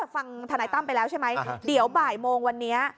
ฟังธนายตั้มไปแล้วใช่ไหมเดี๋ยวบ่ายโมงวันนี้